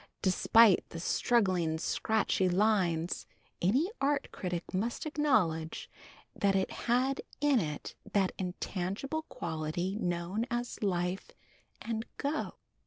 Despite the straggling scratchy lines any art critic must acknowledge that it had in it that intangible quality known as life and "go."